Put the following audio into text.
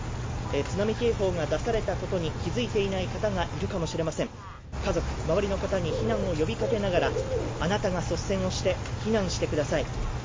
津波警報が出されたことに気付いていない方がいるかもしれません家族、周りの方に避難を呼びかけながら、あなたが率先をして避難してください。